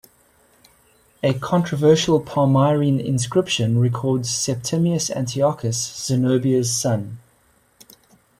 A controversial Palmyrene inscription records Septimius Antiochus, "Zenobia's son".